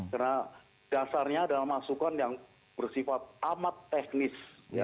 karena dasarnya adalah masukan yang bersifat amat teknis